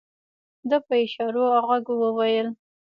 ده په اشارو او غږ وويل.